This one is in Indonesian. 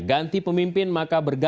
ganti pemimpin maka bergantian